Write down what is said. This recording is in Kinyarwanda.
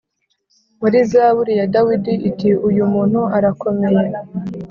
muri zaburi ya Dawidi iti uyu muntu arakomeye